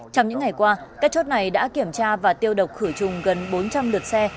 trong những ngày qua các chốt này đã kiểm tra và tiêu độc khử trùng gần bốn trăm linh lượt xe